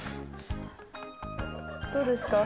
どうですか？